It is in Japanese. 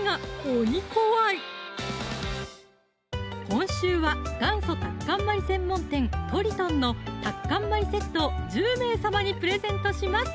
今週は元祖タッカンマリ専門店「とりとん」のタッカンマリセットを１０名様にプレゼントします